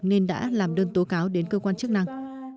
nên đã làm đơn tố cáo đến cơ quan chức năng